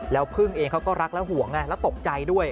แล้วพึ่งเองเขาก็รักและห่วงไงแล้วตกใจด้วย